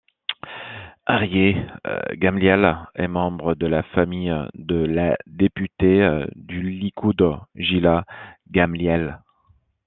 Aryeh Gamliel est membre de la famille de la députée du Likoud Gila Gamliel.